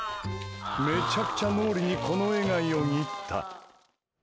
めちゃくちゃ脳裏にこの絵がよぎった。